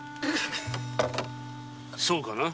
そうかな？